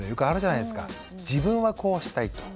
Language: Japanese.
自分はこうしたいと。